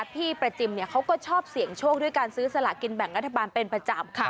พี่ประจิมเขาก็ชอบเสี่ยงโชคด้วยการซื้อสลากินแบ่งรัฐบาลเป็นประจำ